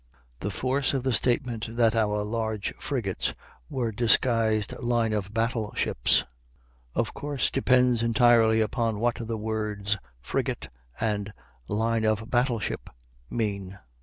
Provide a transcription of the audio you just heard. The force of the statement that our large frigates were disguised line of battle ships, of course depends entirely upon what the words "frigate" and "line of battle ship" mean.